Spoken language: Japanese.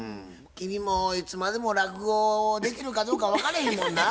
君もいつまでも落語をできるかどうか分かれへんもんなぁ。